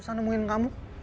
susah nemuin kamu